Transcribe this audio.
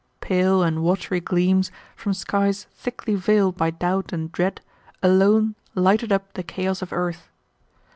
Pale and watery gleams, from skies thickly veiled by doubt and dread, alone lighted up the chaos of earth.